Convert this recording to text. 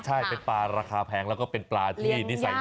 ใช่เป็นปลาราคาแพงแล้วก็เป็นปลาที่นิสัยดี